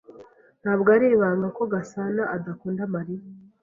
Ntabwo ari ibanga ko Gasanaadakunda Mariya.